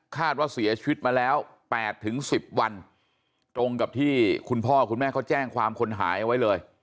ว่าเสียชีวิตมาแล้ว๘๑๐วันตรงกับที่คุณพ่อคุณแม่เขาแจ้งความคนหายเอาไว้เลย